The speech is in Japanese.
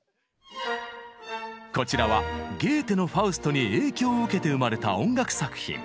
こちらはゲーテの「ファウスト」に影響を受けて生まれた音楽作品。